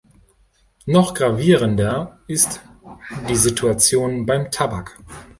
Noch gravierender ist die Situation beim Tabak.